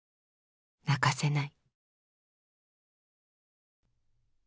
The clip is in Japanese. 泣かせない」。